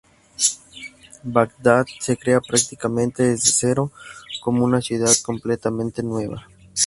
Bagdad se crea prácticamente desde cero, como una ciudad completamente nueva.